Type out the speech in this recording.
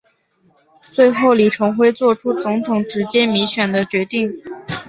最后李登辉做出总统直接民选的决定。